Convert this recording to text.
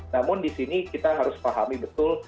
namun di sini kita harus pahami betul